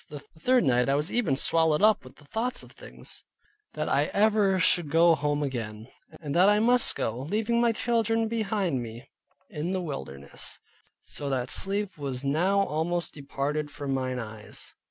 The third night I was even swallowed up with the thoughts of things, viz. that ever I should go home again; and that I must go, leaving my children behind me in the wilderness; so that sleep was now almost departed from mine eyes.